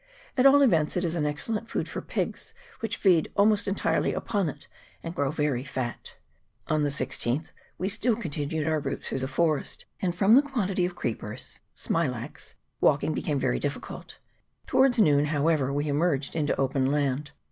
At all events, it is an excellent food for pigs, which feed almost entirely upon it, and grow very fat. On the 16th we still continued our route through the forest, and, from the quantity of creepers (Smi lax), walking became very difficult. Towards noon, however, we emerged into open land.